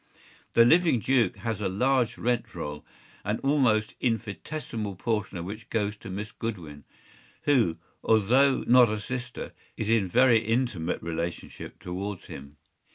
The living duke has a large rent roll, an almost infinitessimal portion of which goes to Miss Goodwin, who, although not a sister, is in very intimate relationship towards him.